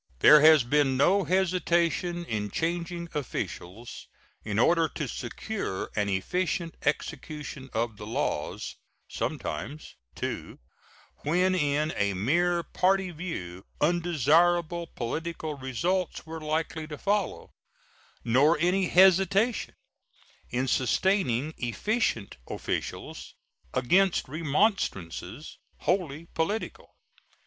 There has been no hesitation in changing officials in order to secure an efficient execution of the laws, sometimes, too, when, in a mere party view, undesirable political results were likely to follow; nor any hesitation in sustaining efficient officials against remonstrances wholly political.